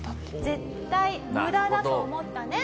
絶対無駄だと思ったね